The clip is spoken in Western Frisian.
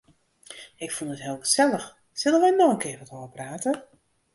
Ik fûn it heel gesellich, sille wy noch in kear wat ôfprate?